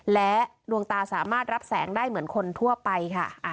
และดวงตาสามารถรับแสงได้เหมือนคนทั่วไปค่ะ